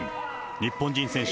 日本人選手